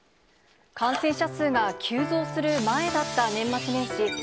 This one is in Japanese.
感染者数が急増する前だった年末年始。